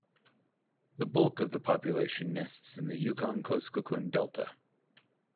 The bulk of the population nests in the Yukon-Kuskokwim Delta.